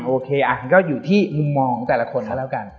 โอเคอ่ะก็อยู่ที่มุมมองแต่ละคนแล้วกัน